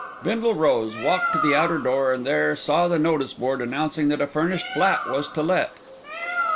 Bindle rose, walked to the outer door, and there saw the notice board announcing that a furnished flat was to let.